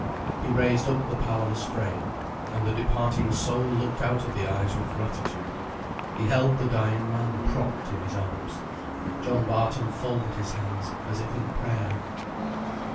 He raised up the powerless frame; and the departing soul looked out of the eyes with gratitude. He held the dying man propped in his arms. John Barton folded his hands as if in prayer.